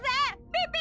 ピピ！